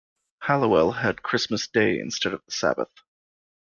Halliwell had 'Christmas Day' instead of the Sabbath.